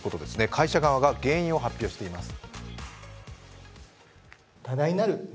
会社側が原因を発表しています。